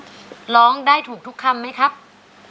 เพลงนี้ที่๕หมื่นบาทแล้วน้องแคน